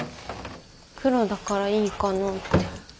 黒だからいいかなって。